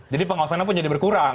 jadi pengawasannya pun jadi berkurang